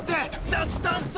脱炭素！